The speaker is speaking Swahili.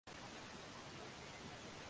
kama kikuyu nayo yalichangia uwepo wa misitu